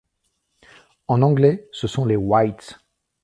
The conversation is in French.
En anglais ce sont les Whites.